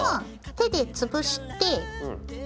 手で潰して。